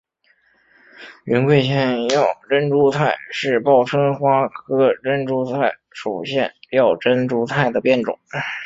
云贵腺药珍珠菜是报春花科珍珠菜属腺药珍珠菜的变种。